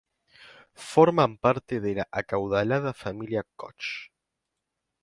Forman parte de la acaudalada familia Koch.